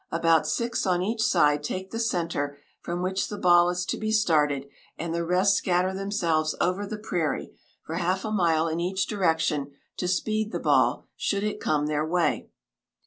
About six on each side take the center from which the ball is to be started, and the rest scatter themselves over the prairie for half a mile in each direction, to speed the ball, should it come their way.